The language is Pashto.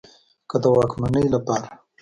که د واکمنۍ له پاره